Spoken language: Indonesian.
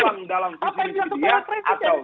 apa yang dilakukan oleh presiden